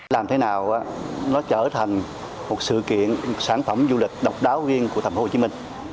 làm thế nào nó trở thành một sự kiện sản phẩm du lịch độc đáo riêng của thành phố hồ chí minh